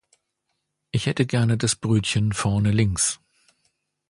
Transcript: Ich hätte gerne das Brötchen vorne links.